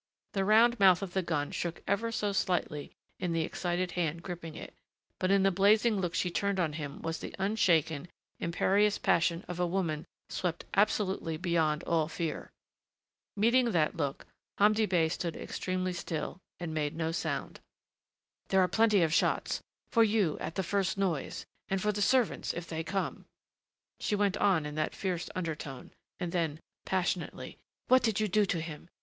The round mouth of the gun shook ever so slightly in the excited hand gripping it, but in the blazing look she turned on him was the unshaken, imperious passion of a woman swept absolutely beyond all fear. Meeting that look Hamdi Bey stood extremely still and made no sound. "There are plenty of shots for you, at the first noise, and for the servants, if they come," she went on in that fierce undertone, and then, passionately, "What did you do to him?